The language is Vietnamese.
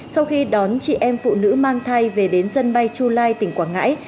sau khi đón chị em phụ nữ mang thai về đến sân bay chulai tỉnh quảng ngãi